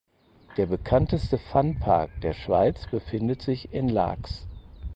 Der bekannteste Funpark der Schweiz befindet sich in Laax.